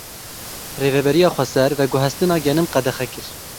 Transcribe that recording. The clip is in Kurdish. Rêveberiya Xweser veguhestina genim qedexe kir.